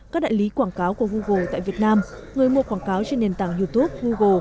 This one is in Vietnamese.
các đại lý quảng cáo của google tại việt nam người mua quảng cáo trên nền tảng youtube google